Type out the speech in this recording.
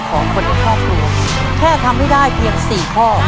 ขอคนที่ภาพรวมแค่ทำให้ได้เพียงสี่ข้อ